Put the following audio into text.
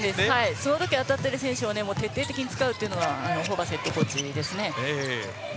その時当たっている選手を徹底的に使うというのがホーバスヘッドコーチですね。